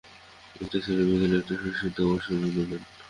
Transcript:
এটা ছিল বিকেলের একটা বিশুদ্ধ অবসর বিনোদন।